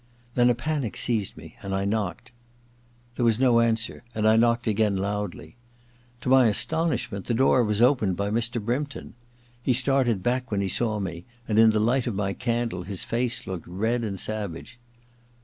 Then a panic seized me, and I knocked. There was no answer, and I knocked again, loudly. To my astonishment the door was opened by Mr. Brympton. He started back when he saw me, and in the light of my candle his face looked red and savage.